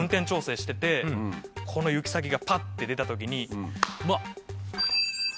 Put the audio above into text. この行き先がパッて出た時に。